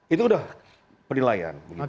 itu sudah penilaian